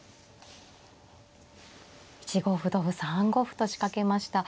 １五歩同歩３五歩と仕掛けました。